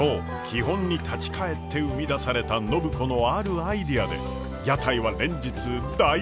基本に立ち返って生み出された暢子のあるアイデアで屋台は連日大盛況！